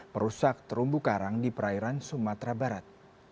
merusak terumbu karang di perairan sumatera barat